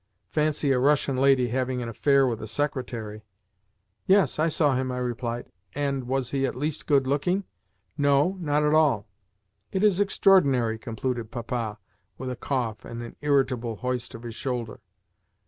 Fancy a Russian lady having an affaire with a secretary!" "Yes, I saw him," I replied. "And was he at least good looking?" "No, not at all." "It is extraordinary!" concluded Papa, with a cough and an irritable hoist of his shoulder.